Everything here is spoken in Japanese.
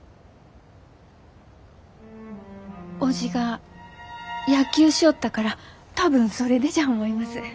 叔父が野球しょうったから多分それでじゃ思います。